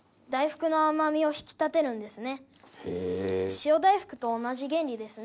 塩大福と同じ原理ですね。